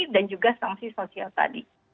dan juga sanksi sosial tadi